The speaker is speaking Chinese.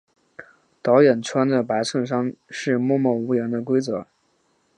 导演穿着白衬衫是默默无言的规则。